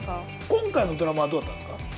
◆今回のドラマはどうだったんですか。